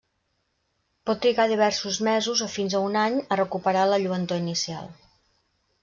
Pot trigar diversos mesos o fins a un any a recuperar la lluentor inicial.